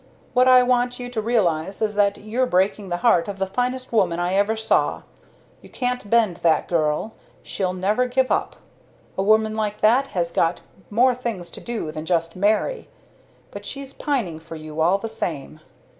What I want you to realize is that you're breaking the heart of the finest woman I ever saw. You can't bend that girl she'll never give up. A woman like that has got more things to do than just marry! But she's pining for you all the same.